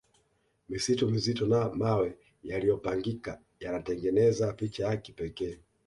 misitu mizito na mawe yaliopangika yanatengezeza picha ya kipekee